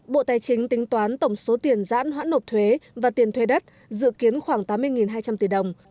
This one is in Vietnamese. bộ tài chính tính toán tổng số tiền giãn hoãn nộp thuế và tiền thuê đất dự kiến khoảng tám mươi hai trăm linh tỷ đồng